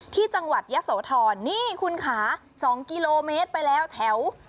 ที่จังหวัดยะโสธรนี่คุณค่ะ๒กิโลเมตรไปแล้วแถว